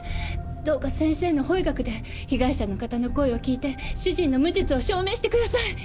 どうか先生の法医学で被害者の方の声を聞いて主人の無実を証明してください！